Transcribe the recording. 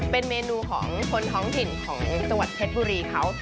เป็นเมนูของคนท้องถิ่นของจังหวัดเพชรบุรีเขา